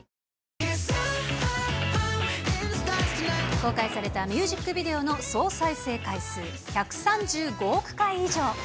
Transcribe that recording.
公開されたミュージックビデオの総再生回数１３５億回以上。